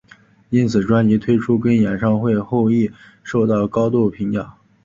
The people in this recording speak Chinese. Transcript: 因此专辑推出跟演唱会后亦受到高度评价。